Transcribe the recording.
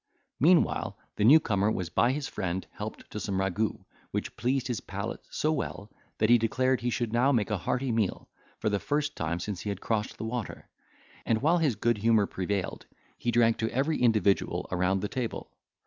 Meanwhile, the new comer was by his friend helped to some ragout, which pleased his palate so well, that he declared he should now make a hearty meal, for the first time since he had crossed the water; and, while his good humour prevailed, he drank to every individual around the table.